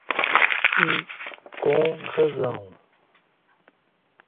E com razão